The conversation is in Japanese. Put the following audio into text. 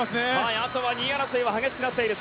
あとは２位争いは激しくなってきている。